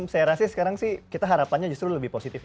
saya rasa sekarang sih kita harapannya justru lebih positif